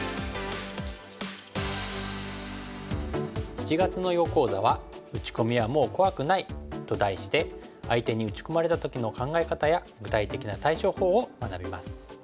７月の囲碁講座は「打ち込みはもう怖くない」と題して相手に打ち込まれた時の考え方や具体的な対処法を学びます。